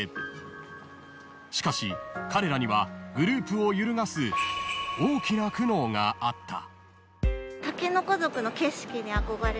［しかし彼らにはグループを揺るがす大きな苦悩があった］